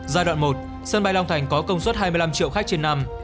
giai đoạn một sân bay long thành có công suất hai mươi năm triệu khách trên năm